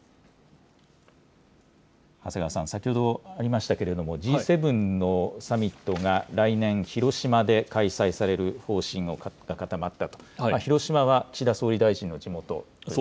長谷川さん、先ほどありましたけれども、Ｇ７のサミットが来年、広島で開催される方針が固まったと。